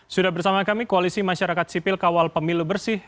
sudah bersama kami koalisi masyarakat sipil kawal pemilu bersih